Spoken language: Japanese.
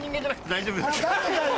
大丈夫ですか？